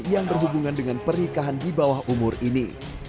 yang berhubungan dengan pernikahan di bawah umur ini